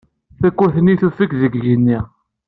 Takurt-nni tufeg deg yigenni.